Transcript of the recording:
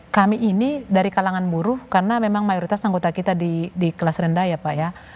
kami ini dari kalangan buruh karena memang mayoritas anggota kita di kelas rendah ya pak ya